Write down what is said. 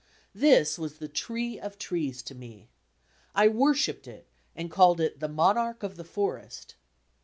This was the tree of trees to me. I worshipped it, and called it "The Monarch of The Forest."